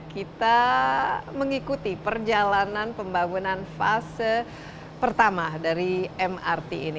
kita mengikuti perjalanan pembangunan fase pertama dari mrt ini